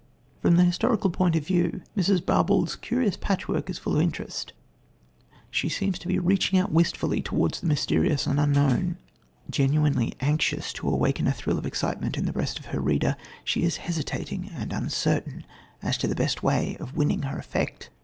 From the historical point of view Mrs. Barbauld's curious patchwork is full of interest. She seems to be reaching out wistfully towards the mysterious and the unknown. Genuinely anxious to awaken a thrill of excitement in the breast of her reader, she is hesitating and uncertain as to the best way of winning her effect.